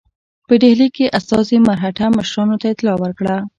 په ډهلي کې استازي مرهټه مشرانو ته اطلاع ورکړه.